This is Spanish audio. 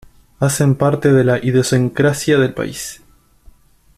Hacen parte de la idiosincrasia del país.